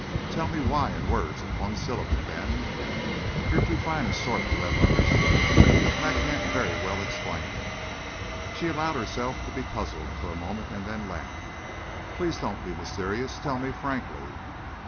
"Tell me why in words of one syllable, Ben." "You're too fine a sort to have understood. And I can't very well explain." She allowed herself to be puzzled for a moment and then laughed. "Please don't be mysterious. Tell me frankly."